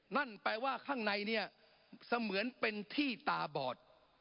นั่นแปลว่าข้างในเนี่ยเสมือนเป็นที่ตาบอด